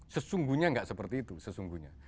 sesungguhnya nggak seperti itu sesungguhnya